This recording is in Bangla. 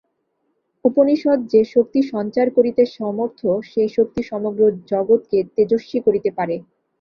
উপনিষদ যে শক্তি সঞ্চার করিতে সমর্থ, সেই শক্তি সমগ্র জগৎকে তেজস্বী করিতে পারে।